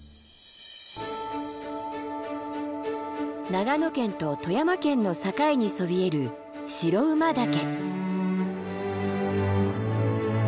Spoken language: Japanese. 長野県と富山県の境にそびえる白馬岳。